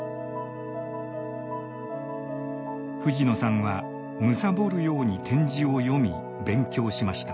藤野さんは貪るように点字を読み勉強しました。